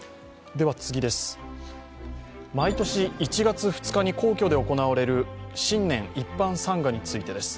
毎年１月２日に皇居で行われる新年一般参賀についてです。